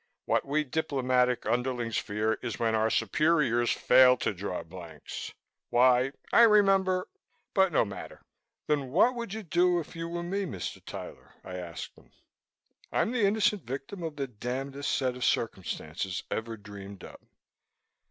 What we diplomatic underlings fear is when our superiors fail to draw blanks. Why I remember but no matter." "Then what would you do if you were me, Mr. Tyler?" I asked him. "I'm the innocent victim of the damndest set of circumstances ever dreamed up."